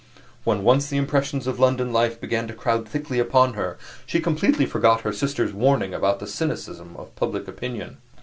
When once the impressions of London life began to crowd thickly upon her, she completely forgot her sister's warning about the cynicism of public opinion.